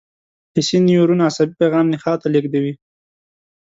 حسي نیورون عصبي پیغام نخاع ته لېږدوي.